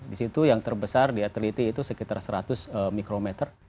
di situ yang terbesar diateliti itu sekitar seratus mikrometer